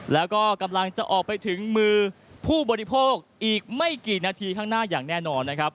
แล้วก็กำลังจะออกไปถึงมือผู้บริโภคอีกไม่กี่นาทีข้างหน้าอย่างแน่นอนนะครับ